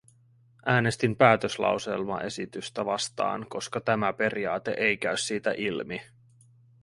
Äänestin päätöslauselmaesitystä vastaan, koska tämä periaate ei käy siitä ilmi.